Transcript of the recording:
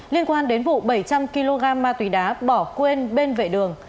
liên quan đến vụ bảy trăm linh kg ma túy đá bỏ quên bên vệ đường